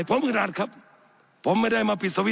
สับขาหลอกกันไปสับขาหลอกกันไป